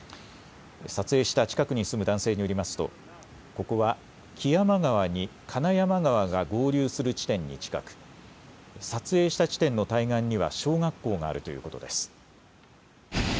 撮影した近くに住む男性によりますとここは木山川に金山川が合流する地点に近く撮影した地点の対岸には小学校があるということです。